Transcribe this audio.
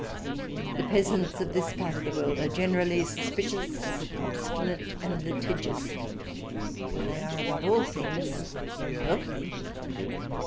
The peasants of this part of the world are generally suspicious, obstinate, and litigious, but they are, before all things, wealthy.